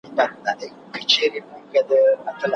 ماشومان د کاردستي له لارې ستونزې حل کوي.